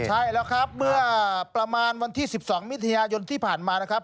ใช่แล้วครับเมื่อประมาณวันที่๑๒มิถุนายนที่ผ่านมานะครับ